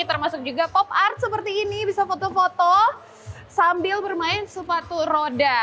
termasuk juga pop art seperti ini bisa foto foto sambil bermain sepatu roda